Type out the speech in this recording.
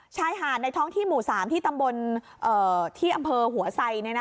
ชายหาดในท้องที่หมู่๓ที่ตำบลที่อำเภอหัวไซ